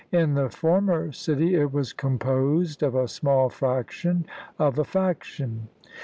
In the former city it was composed of a small fraction of a faction.